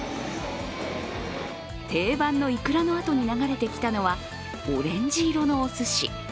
定番のいくらのあとに流れてきたのは、オレンジ色のおすし。